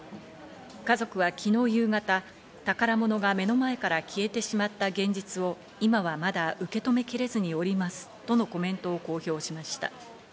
家族は昨日夕方、宝物が目の前から消えてしまった現実を今はまだ、受け止めきれずにおりますとのコメントを公表しました。